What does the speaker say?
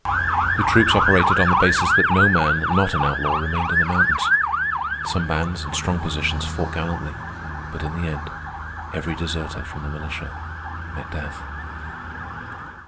The troops operated on the basis that no man not an outlaw remained in the mountains. Some bands, in strong positions, fought gallantly, but in the end every deserter from the militia met death.